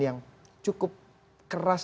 yang cukup keras